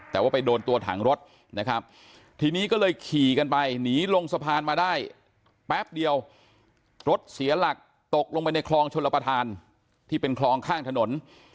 แต่ว่าไปโดนตัวถังรถนะครับทีนี้ก็เลยขี่กันไปหนีลงสะพานมาได้แป๊บเดียวรถเสียหลักตกลงไปในคลองชลประธานที่เป็นคลองข้างถนน